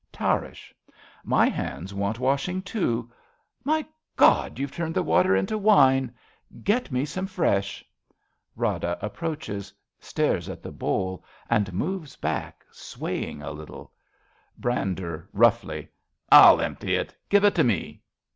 Tarrasch. My hands want washing, too. 32 A BELGIAN CHRISTMAS EVE My God, you've turned the water into wine. Get me some fresh. (Rada approaches, stares at the howl, and moves hack, sivaying a little.) Brander (roughly). I'll empty it. Give it to me.